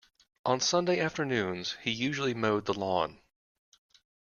On Sunday afternoons he usually mowed the lawn.